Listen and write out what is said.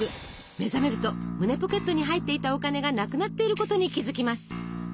目覚めると胸ポケットに入っていたお金がなくなっていることに気付きます。